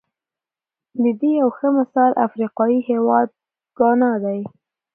د دې یو ښه مثال افریقايي هېواد ګانا دی.